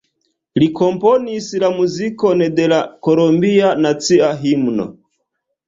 Li komponis la muzikon de la kolombia nacia himno.